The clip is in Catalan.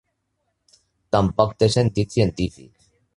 Tampoc té sentit científic.